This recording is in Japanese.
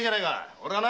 俺はな！